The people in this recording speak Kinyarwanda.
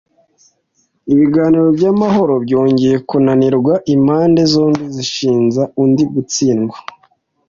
Ibiganiro by’amahoro byongeye kunanirwa, impande zombi zishinja undi gutsindwa.